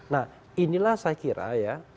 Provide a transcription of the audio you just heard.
nah inilah saya kira ya